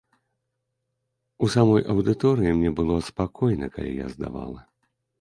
У самой аўдыторыі мне было спакойна, калі я здавала.